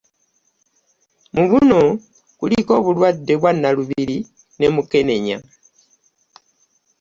Mu buno kuliko obulwadde bwa Nalubiri ne Mukenenya